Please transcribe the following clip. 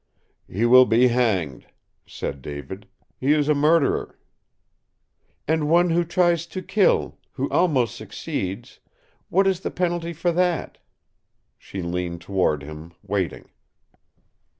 "He will be hanged," said David. "He is a murderer." "And one who tries to kill who almost succeeds what is the penalty for that?" She leaned toward him, waiting.